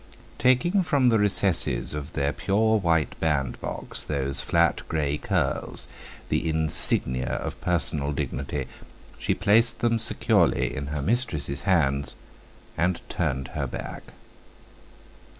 Taking from the recesses of their pure white band box those flat, grey curls, the insignia of personal dignity, she placed them securely in her mistress's hands, and turned her back.